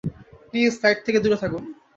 Please, site থেকে দূরে থাকুন।